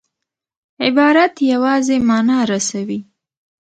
عبارت یوازي مانا رسوي.